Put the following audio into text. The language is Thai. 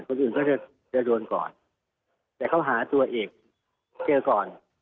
คนอื่นก็จะจะโดนก่อนแต่เขาหาตัวเอกเจอก่อน